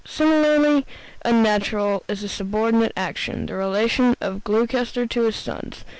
Similarly unnatural is the subordinate action: the relation of Gloucester to his sons.